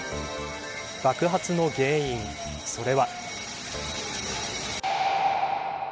爆発の原因、それは。